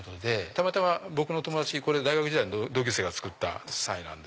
たまたま僕の友達これ大学時代の同級生が作ったサイ。